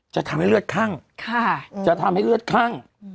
จะทำให้เลือดคั่งจะทำให้เลือดคั่ง